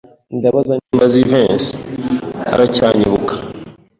Ndabaza niba Jivency aracyanyibuka.